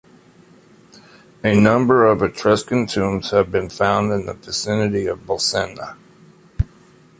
A number of Etruscan tombs have been found in the vicinity of Bolsena.